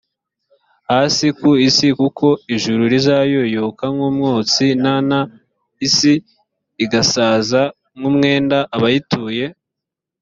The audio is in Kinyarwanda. hasi ku isi kuko ijuru rizayoyoka nk umwotsi n n isi igasaza nk umwenda abayituye